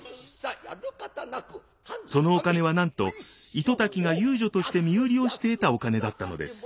そのお金はなんと糸滝が遊女として身売りをして得たお金だったのです。